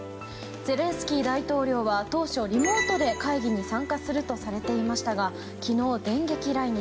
ゼレンスキー大統領は当初、リモートで会議に参加するとされていましたが昨日、電撃来日。